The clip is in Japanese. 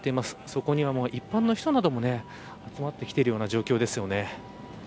そこには一般の人なども集まってきているような状況ですよね。